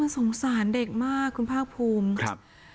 สงสารเด็กมากคุณภาคภูมิครับ